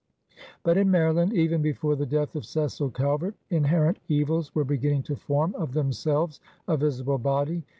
But in Maryland, even before the death of Cecil Calvert, inherent evils were beginning to form of themselves a visible body.